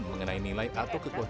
mengenai nilai atau kekuatan